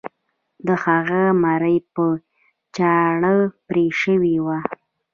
د هغه مرۍ په چاړه پرې شوې وه.